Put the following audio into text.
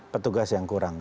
petugas yang kurang